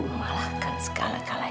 memalahkan segala kalah